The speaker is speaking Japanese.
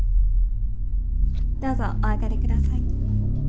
どうぞおあがりください。